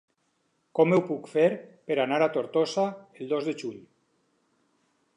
Com ho puc fer per anar a Tortosa el dos de juny?